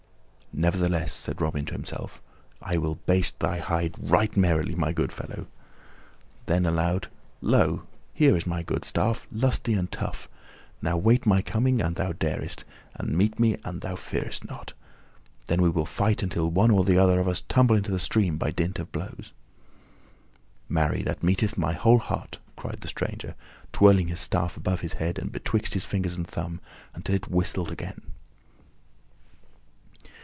"Nevertheless," said Robin to himself, "I will baste thy hide right merrily, my good fellow;" then, aloud, "Lo, here is my good staff, lusty and tough. Now wait my coming, an thou darest, and meet me an thou fearest not. Then we will fight until one or the other of us tumble into the stream by dint of blows." "Marry, that meeteth my whole heart!" cried the stranger, twirling his staff above his head, betwixt his fingers and thumb, until it whistled again.